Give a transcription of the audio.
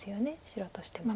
白としては。